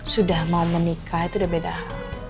sudah mau menikah itu udah beda